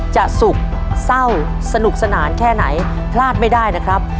สุขเศร้าสนุกสนานแค่ไหนพลาดไม่ได้นะครับ